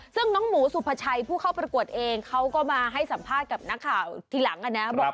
ซึ่งน้องหมูสุภาชัยผู้เข้าประกวดเองเขาก็มาให้สัมภาษณ์กับนักข่าวทีหลังนะบอก